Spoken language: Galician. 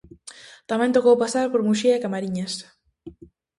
Tamén tocou pasar por Muxía e Camariñas.